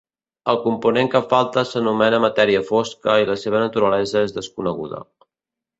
El component que falta s'anomena matèria fosca i la seva naturalesa és desconeguda.